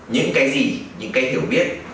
những cái gì những cái hiểu biết